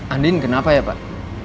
andien kenapa ya pak